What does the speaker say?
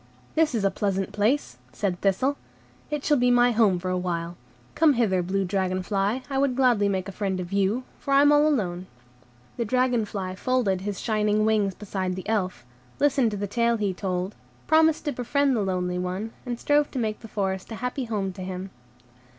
"This is a pleasant place," said Thistle; "it shall be my home for a while. Come hither, blue dragon fly, I would gladly make a friend of you, for I am all alone." The dragon fly folded his shining wings beside the Elf, listened to the tale he told, promised to befriend the lonely one, and strove to make the forest a happy home to him.